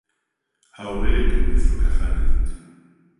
هاوڕێیەکم لە فڕۆکەخانە دیت.